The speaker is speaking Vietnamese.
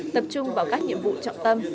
tập trung vào các nhiệm vụ trọng tâm